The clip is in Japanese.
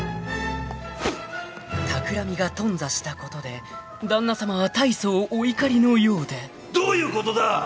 ［たくらみが頓挫したことで旦那さまは大層お怒りのようで］どういうことだ！